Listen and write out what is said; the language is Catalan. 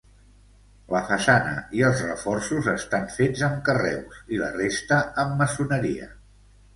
La façana i els reforços estan fets amb carreus i la resta amb maçoneria.